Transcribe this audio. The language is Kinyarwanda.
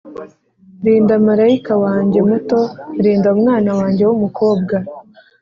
rinda marayika wanjye muto; rinda umwana wanjye wumukobwa.